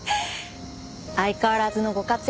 相変わらずのご活躍。